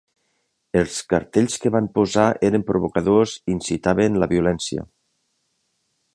Els cartells que van posar eren provocadors i incitaven la violència.